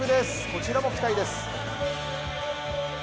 こちらも期待です。